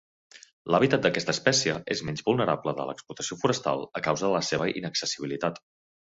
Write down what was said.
L'hàbitat d'aquesta espècie és menys vulnerable de l'explotació forestal a causa de la seva inaccessibilitat.